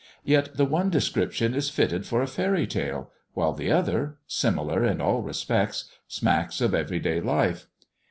Yet the one description is fitted for a faery tale, while the other, similar in all respects, smacks of everyday life.